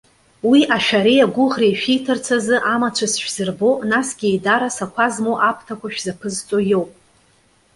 Уи, ашәареи агәыӷреи шәиҭарц азы амацәыс шәзырбо, насгьы еидарас ақәа змоу аԥҭақәа шәзаԥызҵо иоуп.